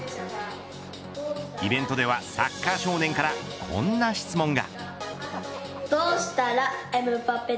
イベントではサッカー少年からこんな質問が。